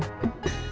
pak suri unter yn